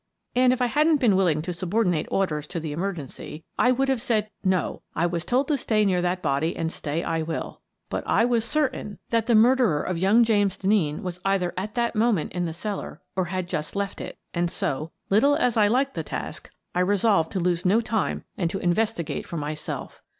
And if I hadn't been willing to sub ordinate orders to the emergency, I would have said :" No, I was told to stay near that body and stay I will." But I was certain that the murderer 61 62 Miss Frances Baird, Detective of young James Denneen was either at that moment in the cellar, or had just left it, and so, little as I liked the task, I resolved to lose no time and to investigate for myself.